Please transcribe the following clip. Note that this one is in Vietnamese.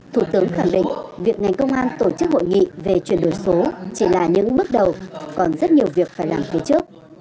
thủ tướng khẳng định việc ngành công an tổ chức hội nghị về chuyển đổi số chỉ là những bước đầu còn rất nhiều việc phải làm phía trước